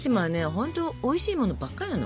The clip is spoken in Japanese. ほんとおいしいものばっかりなの。